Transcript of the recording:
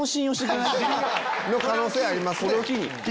可能性ありますね。